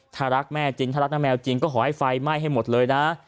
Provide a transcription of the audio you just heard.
ถ้ารักแม่จริงถ้ารักนะแมวจริงก็ขอให้ไฟไหม้ให้หมดเลยนะ